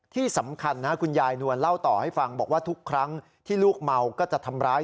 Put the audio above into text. ที่สำคัญนะคุณยายนวลเล่าต่อให้ฟังบอกว่าทุกครั้งที่ลูกเมาก็จะทำร้าย